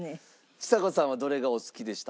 ちさ子さんはどれがお好きでした？